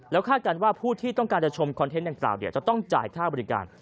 คาดกันว่าผู้ที่ต้องการจะชมคอนเทนต์ดังกล่าวจะต้องจ่ายค่าบริการ